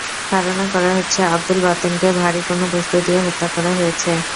ধারণা করা হচ্ছে, আবদুল বাতেনকে ভারী কোনো বস্তু দিয়ে হত্যা করা হয়েছে।